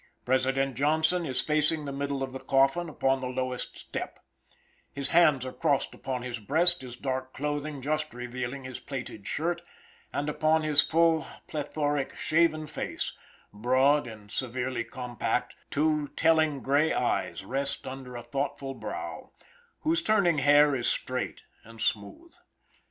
President Johnson is facing the middle of the coffin upon the lowest step; his hands are crossed upon his breast, his dark clothing just revealing his plaited shirt, and upon his full, plethoric, shaven face, broad and severely compact, two telling gray eyes rest under a thoughtful brow, whose turning hair is straight and smooth.